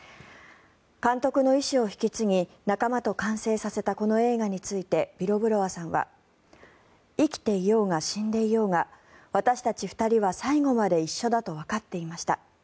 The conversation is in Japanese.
監督の遺志を引き継ぎ仲間と完成させたこの映画についてビロブロワさんは生きていようが死んでいようが私たち２人は最後まで一緒だとわかっていました。